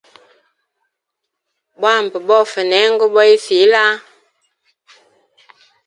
Bwamba bofa nengo boisila.